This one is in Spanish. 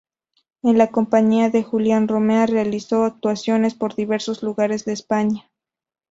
Con la Compañía de Julián Romea realizó actuaciones por diversos lugares de España.